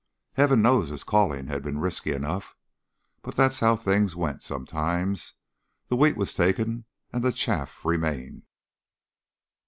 Heaven knows his calling had been risky enough. But that was how things went sometimes the wheat was taken and the chaff remained.